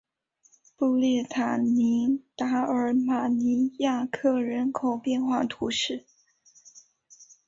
布列塔尼达尔马尼亚克人口变化图示